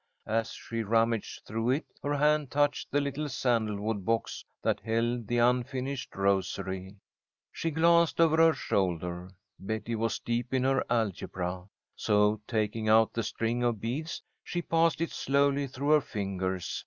As she rummaged through it, her hand touched the little sandalwood box that held the unfinished rosary. She glanced over her shoulder. Betty was deep in her algebra. So, taking out the string of beads, she passed it slowly through her fingers.